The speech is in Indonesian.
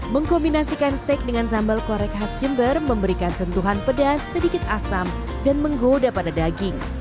mengkombinasikan steak dengan sambal korek khas jember memberikan sentuhan pedas sedikit asam dan menggoda pada daging